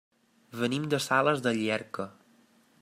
Venim de Sales de Llierca.